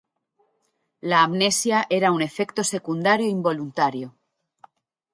La amnesia era un efecto secundario involuntario.